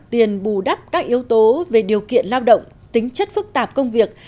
tiền bù đắp các yếu tố về điều kiện lao động tính chất phức tạp công việc